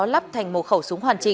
lắp thành một khẩu súng